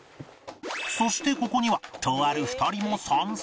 そしてここにはとある２人も参戦！